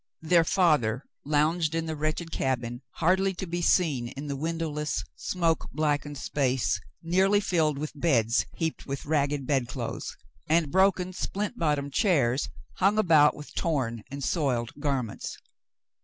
Their father lounged in the wretched cabin, hardly to be seen in the windowless, smoke black ened space nearly filled with beds heaped with ragged bedclothes, and broken splint bottomed chairs hung about with torn and soiled garments.